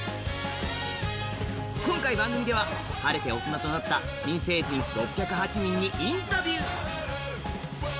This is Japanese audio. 今回番組では晴れて大人になった新成人６０８人にインタビュー。